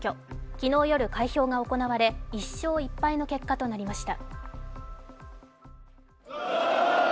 昨日夜、開票が行われ１勝１敗の結果となりました。